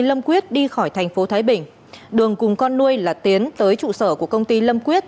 lâm quyết đi khỏi thành phố thái bình đường cùng con nuôi là tiến tới trụ sở của công ty lâm quyết